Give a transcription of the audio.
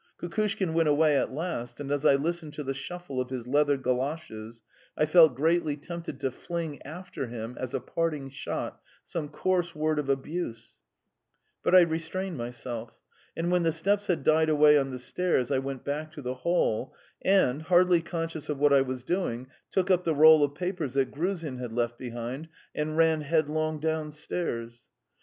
Kukushkin went away at last, and as I listened to the shuffle of his leather goloshes, I felt greatly tempted to fling after him, as a parting shot, some coarse word of abuse, but I restrained myself. And when the steps had died away on the stairs, I went back to the hall, and, hardly conscious of what I was doing, took up the roll of papers that Gruzin had left behind, and ran headlong downstairs.